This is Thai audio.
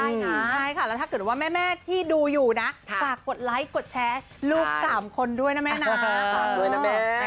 แล้วถ้าเกิดว่าแม่ที่ดูอยู่นะฝากกดไลค์กดแชร์ลูกสามคนด้วยนะแม่น้า